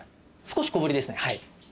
少し小ぶりですね。